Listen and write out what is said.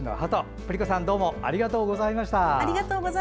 プリ子さん、どうもありがとうございました。